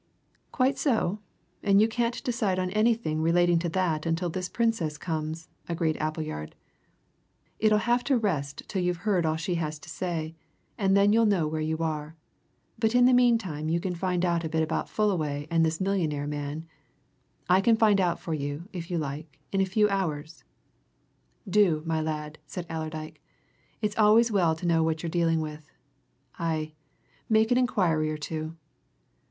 "Quite so and you can't decide on anything relating to that until this Princess comes," agreed Appleyard. "It'll have to rest till you've heard all she has to say, and then you'll know where you are. But in the meantime you can find out a bit about Fullaway and this millionaire man I can find out for you, if you like, in a few hours." "Do, my lad!" said Allerdyke. "It's always well to know who you're dealing with. Aye make an inquiry or two."